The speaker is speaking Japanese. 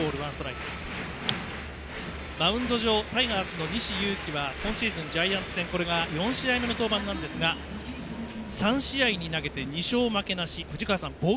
マウンド上タイガースの西勇輝は今シーズンジャイアンツ戦これが４試合目の登板なんですが３試合に投げて２勝、負けなし。